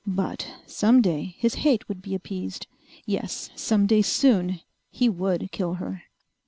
But some day his hate would be appeased. Yes, some day soon he would kill her!